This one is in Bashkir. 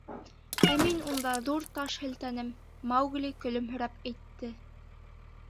— Ә мин унда ҙур таш һелтәнем, — Маугли көлөмһөрәп әйтте.